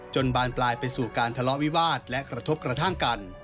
บานปลายไปสู่การทะเลาะวิวาสและกระทบกระทั่งกัน